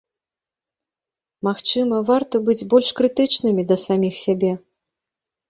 Магчыма, варта быць больш крытычнымі да саміх сябе?